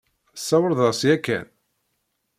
Tesawleḍ-as yakan?